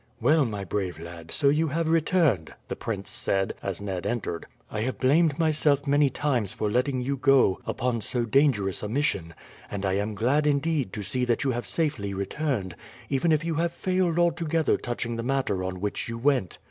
"Well, my brave lad, so you have returned," the prince said as Ned entered. "I have blamed myself many times for letting you go upon so dangerous a mission, and I am glad indeed to see that you have safely returned, even if you have failed altogether touching the matter on which you went."